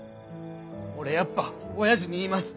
俺やっぱおやじに言います。